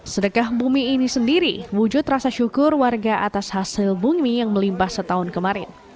sedekah bumi ini sendiri wujud rasa syukur warga atas hasil bumi yang melimpah setahun kemarin